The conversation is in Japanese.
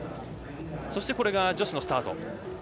そして、女子のスタート。